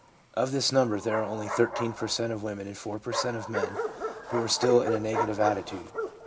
Of this number there are only 13 per cent, of women and 4 per cent, of men who are still in a negative attitude.